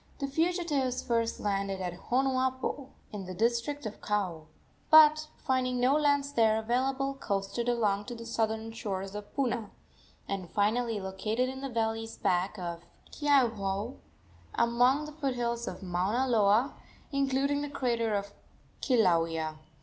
The fugitives first landed at Honuapo, in the district of Kau, but, finding no lands there available, coasted along to the southern shores of Puna, and finally located in the valleys back of Keauhou, among the foothills of Mauna Loa, including the crater of Kilauea.